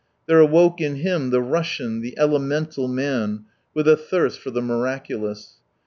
There awoke in him the Russian, the elemental man, with a thirst for the miraculou s.